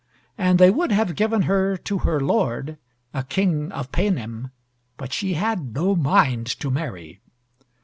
And they would have given her to her lord a king of Paynim, but she had no mind to marry.